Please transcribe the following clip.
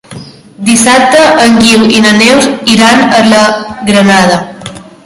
Dissabte en Guiu i na Neus iran a la Granada.